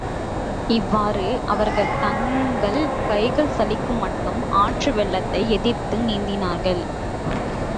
இவ்வாறு அவர்கள் தங்கள் கைகள் சலிக்குமட்டும் ஆற்று வெள்ளத்தை எதிர்த்து நீந்தினார்கள்.